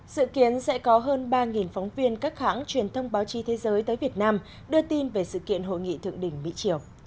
dự kiến sẽ có hơn ba phóng viên các hãng truyền thông báo chí thế giới tới việt nam đưa tin về sự kiện hội nghị thượng đỉnh mỹ triều